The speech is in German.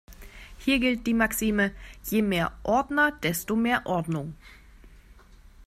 Hier gilt die Maxime: Je mehr Ordner, desto mehr Ordnung.